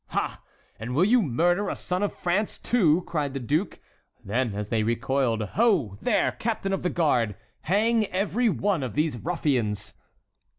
"Ha! and will you murder a son of France, too?" cried the duke. Then, as they recoiled,—"Ho, there! captain of the guard! Hang every one of these ruffians!"